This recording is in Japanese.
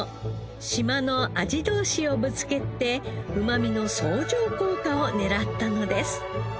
島の味同士をぶつけてうまみの相乗効果を狙ったのです。